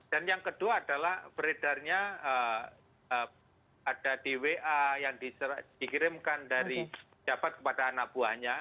dan yang kedua adalah beredarnya ada di wa yang dikirimkan dari jabat kepada anak buahnya